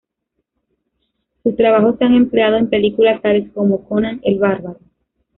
Sus trabajos se han empleado en películas tales como Conan el Bárbaro.